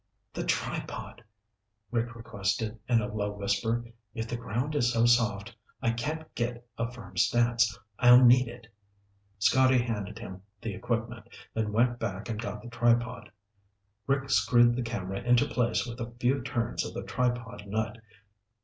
"The tripod," Rick requested in a low whisper. "If the ground is so soft I can't get a firm stance, I'll need it." Scotty handed him the equipment, then went back and got the tripod. Rick screwed the camera into place with a few turns of the tripod nut.